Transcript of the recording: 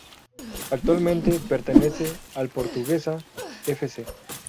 Actualmente pertenece al Portuguesa Fc.